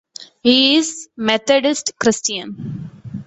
He is Methodist Christian.